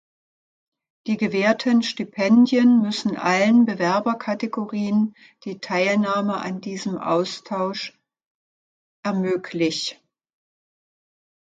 Die gewährten Stipendien müssen allen Bewerberkategorien die Teilnahme an diesem Austausch ermöglich.